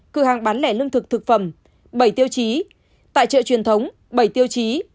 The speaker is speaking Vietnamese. cửa hàng bán lẻ lương thực thực phẩm bảy tiêu chí tại chợ truyền thống bảy tiêu chí